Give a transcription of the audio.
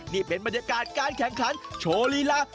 นี่เป็นบรรยากาศการแข่งขันโชว์ลีลา